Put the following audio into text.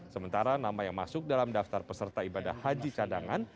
sementara nama yang masuk dalam daftar peserta ibadah haji cadangan